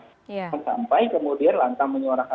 sampai kemudian lantang menyuarakan